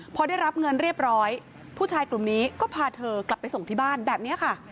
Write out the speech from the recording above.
พอได้รับเงินเรียบร้อยผู้ชายกลุ่มนี้ก็พาเธอกลับไปส่งที่บ้านแบบนี้ค่ะ